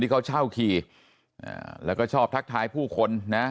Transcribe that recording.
เขาเช่าขี่แล้วก็ชอบทักทายผู้คนนะ